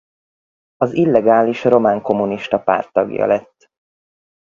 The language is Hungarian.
Az illegális Román Kommunista Párt tagja lett.